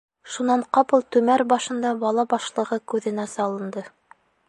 Шунан ҡапыл түмәр башында бала башлығы күҙенә салынды.